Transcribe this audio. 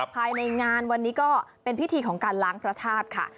ภายในงานวันนี้ก็เป็นพิธีของการล้างพระธาตุค่ะ